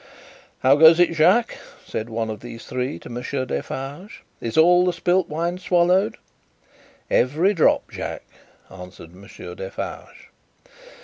"How goes it, Jacques?" said one of these three to Monsieur Defarge. "Is all the spilt wine swallowed?" "Every drop, Jacques," answered Monsieur Defarge.